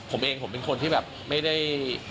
ผมเองผมเป็นคนที่แบบไม่ได้